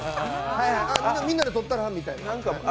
みんなで撮ったら？みたいな。